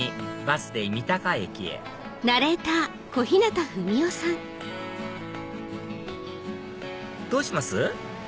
バスで三鷹駅へどうします？